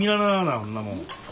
ほんなもん。